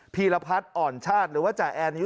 ีรพัฒน์อ่อนชาติหรือว่าจ่าแอนอายุ